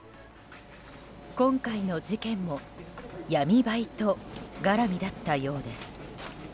今回の事件も闇バイト絡みだったようです。